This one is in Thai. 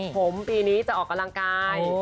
ผมปีนี้จะออกกำลังกาย